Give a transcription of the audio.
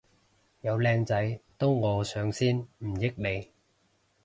有靚仔都我上先唔益你